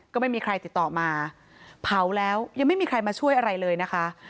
ก็ไม่มีใครติดต่อมาเผาแล้วยังไม่มีใครมาช่วยอะไรเลยนะคะ